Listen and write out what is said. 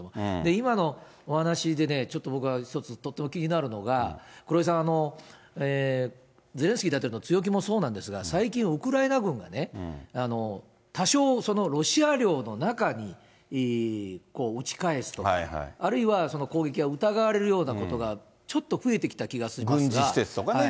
今のお話で、ちょっと僕は一つとっても気になるのが、黒井さん、ゼレンスキー大統領の強気もそうなんですが、最近、ウクライナ軍がね、多少ロシア領の中に撃ち返すとか、あるいは攻撃が疑われるようなことがちょっと増えてきた気がする軍事施設とかね。